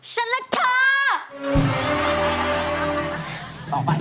ฉันรักเธอ